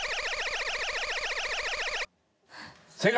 正解！